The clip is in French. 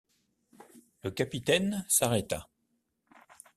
Le capitaine s’arrêta.